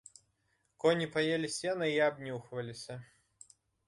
Коні паелі сена і абнюхваліся.